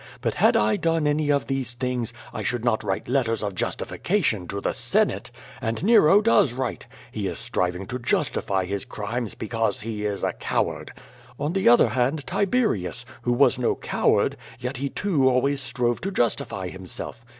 But had I done any of these things, I should not write letters of justification to the Senate. And Nero does write. He is striving to justify his crimes, be cause he is a coward. On the other hand Tiberius, who was no coward, yet he too always strove to justify himself.